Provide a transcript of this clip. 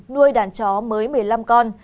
nuôi đàn chó mới một mươi năm con